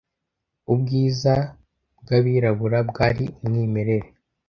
Ubwiza bwabirabura bwari umwimerere